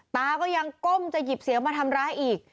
ตาก็ยังก้มจะหยิบเสียงมาทำร้ายอีก